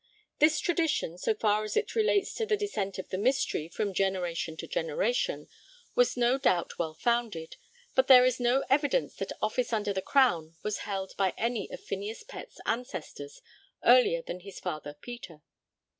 This tradition, so far as it relates to the descent of the 'mystery' from generation to generation, was no doubt well founded, but there is no evidence that office under the Crown was held by any of Phineas Pett's ancestors earlier than his father, Peter.